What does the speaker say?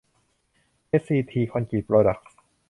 เอสทีซี คอนกรีตโปรดัคท์